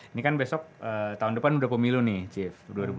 ini kan besok tahun depan sudah pemilu nih chief